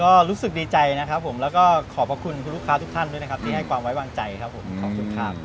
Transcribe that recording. ก็รู้สึกดีใจนะครับแล้วก็ขอบพระคุณลูกค้าทุกท่านที่ให้กว่าไว้วางใจครับ